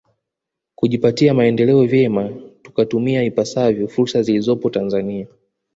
Kujipatia maendeleo vyema tukatumia ipasavyo fursa zilizopo Tanzania